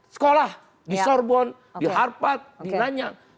sekolah di sorbon di harpat di nanya